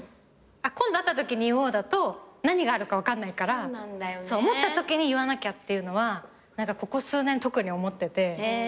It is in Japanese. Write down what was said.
今度会ったときに言おうだと何があるか分かんないから思ったときに言わなきゃっていうのはここ数年特に思ってて。